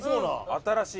新しい。